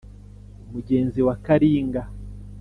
mugenzi wa karinga